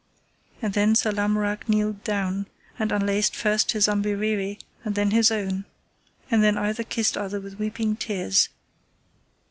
And then Sir Lamorak kneeled down, and unlaced first his umberere, and then his own, and then either kissed other with weeping tears.